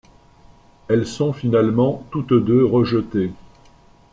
Elles sont finalement toutes deux rejetées.